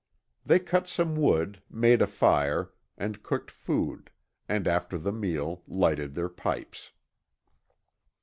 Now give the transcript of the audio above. They cut some wood, made a fire, and cooked food, and after the meal lighted their pipes.